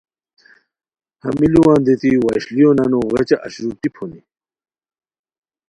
ہمی ُلوان دیتی وشلیو نانو غیچہ اشرو ٹیپ ہونی